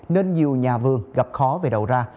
nên nhiều nhà vương gặp khó về đầu ra